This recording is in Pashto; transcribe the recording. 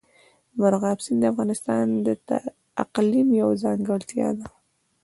مورغاب سیند د افغانستان د اقلیم یوه ځانګړتیا ده.